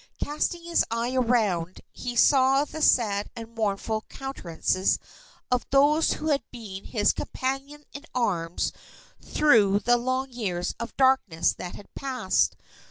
Casting his eye around, he saw the sad and mournful countenances of those who had been his companions in arms through the long years of darkness that had passed.